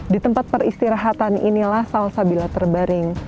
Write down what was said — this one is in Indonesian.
di tempat peristirahatan inilah salsabila terbaring